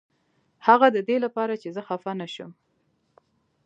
هغه ددې لپاره چې زه خفه نشم.